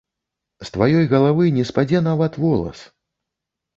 З тваёй галавы не спадзе нават волас.